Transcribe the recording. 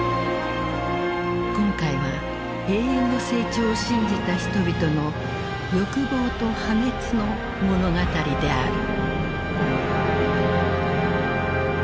今回は永遠の成長を信じた人々の欲望と破滅の物語である。